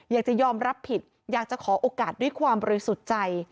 อยากจะยอมรับผิดอยากจะขอโอกาสด้วยความบริสุทธิ์ใจ